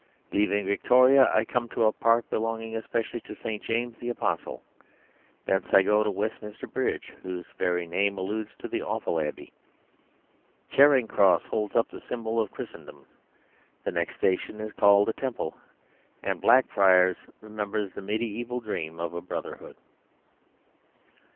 Leaving Victoria I come to a park belonging especially to St. James the Apostle; thence I go to Westminster Bridge, whose very name alludes to the awful Abbey; Charing Cross holds up the symbol of Christendom; the next station is called a Temple; and Blackfriars remembers the mediaeval dream of a Brotherhood.